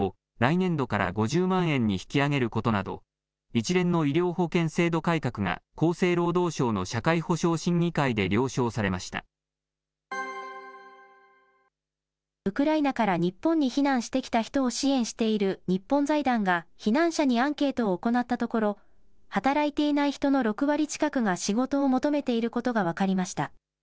出産育児一時金の支給額を来年度から５０万円に引き上げることなど、一連の医療保険制度改革が厚生労働省の社会保障審議会でウクライナから日本に避難してきた人を支援している日本財団が、避難者にアンケートを行ったところ、働いていない人の６割近くが仕事を求めていることが分かりました。